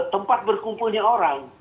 tempat berkumpulnya orang